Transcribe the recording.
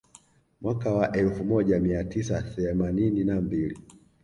Mwaka wa elfu moja mia tisa themanini na mbili